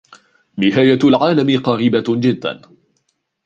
نهاية العالم قريبة جداً!